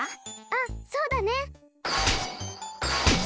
あっそうだね！